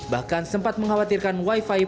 bahkan sempat mengkhawatirkan wifi